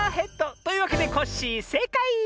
というわけでコッシーせいかい！